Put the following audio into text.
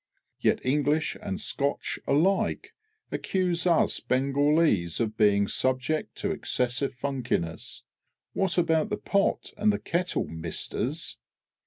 Yet English and Scotch alike accuse us Bengalees of being subject to excessive funkiness. What about the Pot and the Kettle, Misters?